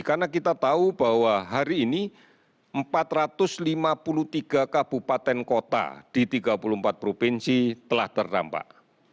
karena kita tahu bahwa hari ini empat ratus lima puluh tiga kabupaten kota di tiga puluh empat provinsi telah terdampak